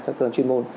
các cơ quan chuyên môn